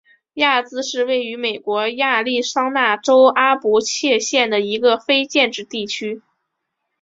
亚兹是位于美国亚利桑那州阿帕契县的一个非建制地区。